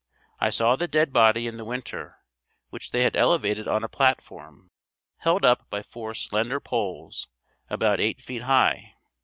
I saw the dead body in the winter, which they had elevated on a platform, held up by four slender poles, about eight feet high.